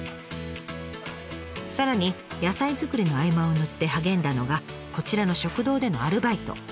さらに野菜作りの合間を縫って励んだのがこちらの食堂でのアルバイト。